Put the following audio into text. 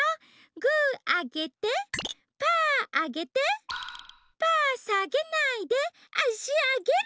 グーあげてパーあげてパーさげないであしあげる！